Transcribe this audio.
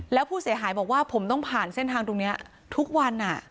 แล้วผู้เสียหายบอกว่าผมต้องผ่านเส้นทางตรงนี้ทุกวัน